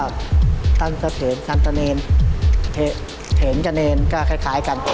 ไม่แน่ใจนะ